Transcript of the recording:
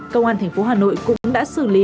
công an tp hà nội cũng đã xử lý